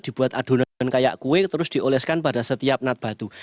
dibuat adonan kayak kue terus dioleskan pada setiap nat batu